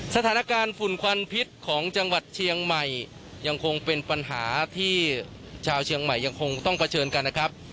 สถานการณ์ฝุ่นควันพิษของจังหวัดเชียงใหม่ยังคงเป็นปัญหาที่ชาวเชียงใหม่ยังคงต้องเผชิญกันนะครับ